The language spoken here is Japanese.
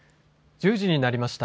１０時になりました。